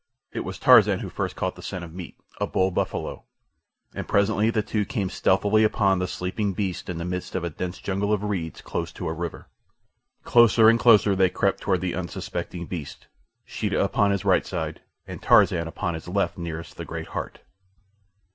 It was Tarzan who first caught the scent of meat—a bull buffalo—and presently the two came stealthily upon the sleeping beast in the midst of a dense jungle of reeds close to a river. Closer and closer they crept toward the unsuspecting beast, Sheeta upon his right side and Tarzan upon his left nearest the great heart.